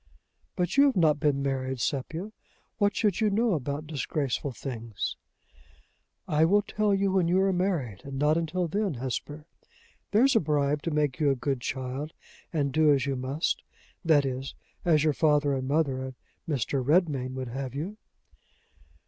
"But you have not been married, Sepia! What should you know about disgraceful things?" "I will tell you when you are married, and not until then, Hesper. There's a bribe to make you a good child, and do as you must that is, as your father and mother and Mr. Redmain would have you!"